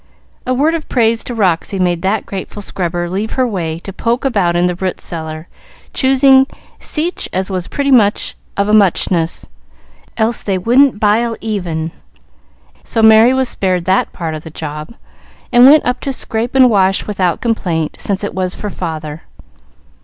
A word of praise to Roxy made that grateful scrubber leave her work to poke about in the root cellar, choosing "sech as was pretty much of a muchness, else they wouldn't bile even;" so Merry was spared that part of the job, and went up to scrape and wash without complaint, since it was for father.